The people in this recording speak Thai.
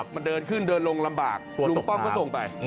มันเดินขึ้นเดินลงลำบากลุงป้อมก็ส่งไป